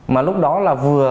mà lúc đó là vừa